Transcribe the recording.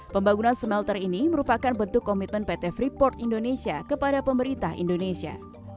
pembangunan smelter ini merupakan bentuk komitmen pt freeport indonesia kepada pemerintah indonesia